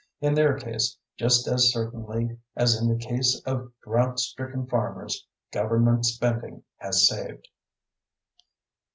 In their case, just as certainly as in the case of drought stricken farmers, government spending has saved.